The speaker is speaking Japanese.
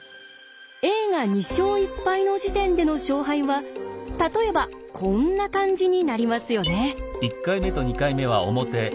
Ａが２勝１敗の時点での勝敗は例えばこんな感じになりますよね。